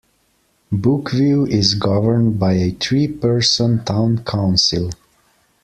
Brookview is governed by a three-person town council.